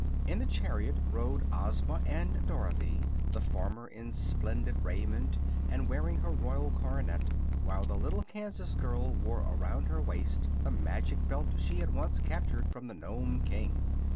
In the chariot rode Ozma and Dorothy, the former in splendid raiment and wearing her royal coronet, while the little Kansas girl wore around her waist the Magic Belt she had once captured from the Nome King.